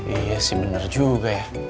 iya sih benar juga ya